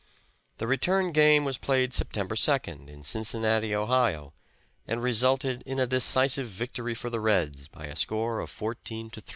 The return game was played September 2d, in Cincinnati, Ohio, and resulted in a decisive victory for the Reds, by a score of 14 to 3.